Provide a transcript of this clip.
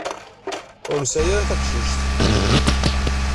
Ur nesɛi ara taqcict.